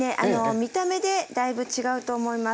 見た目でだいぶ違うと思います。